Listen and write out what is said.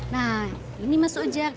nah ini mas ojak